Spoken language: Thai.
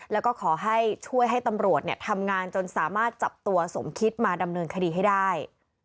แล้วก็ขอให้ช่วยให้ตำรวจทำงานจนสามารถจับตัวสมคิดมาดำเนินคดีให้ได้